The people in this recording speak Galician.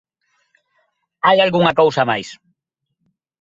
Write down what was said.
Hai algunha cousa máis.